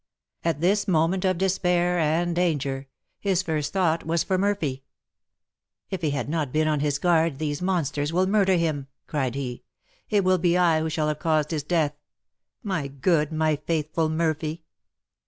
At this moment of despair and danger, his first thought was for Murphy. "If he be not on his guard, those monsters will murder him!" cried he. "It will be I who shall have caused his death, my good, my faithful Murphy!"